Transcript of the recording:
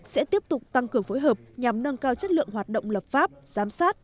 sẽ tiếp tục tăng cường phối hợp nhằm nâng cao chất lượng hoạt động lập pháp giám sát